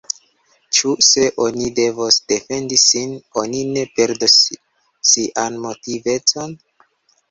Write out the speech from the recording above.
Ĉu, se oni devos defendi sin, oni ne perdos sian motivecon?